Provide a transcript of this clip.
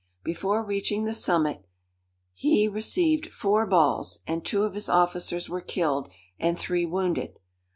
Before reaching the summit, he received four balls, and two of his officers were killed, and three wounded.